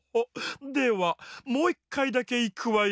ではもういっかいだけいくわよ。